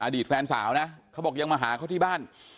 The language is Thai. แฟนสาวนะเขาบอกยังมาหาเขาที่บ้าน